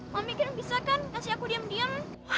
mami kan bisa kan kasih aku diam diam